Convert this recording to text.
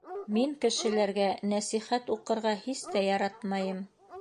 Мин кешеләргә нәсихәт уҡырға һис тә яратмайым.